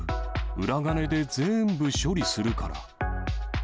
裏金でぜーんぶ処理するから。